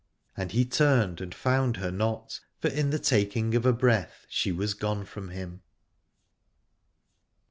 And he turned and found her not, for in the taking of a breath she was gone from him.